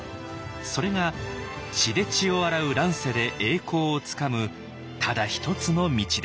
それが血で血を洗う乱世で栄光をつかむただ一つの道でした。